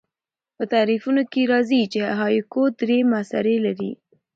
په تعریفونو کښي راځي، چي هایکو درې مصرۍ لري.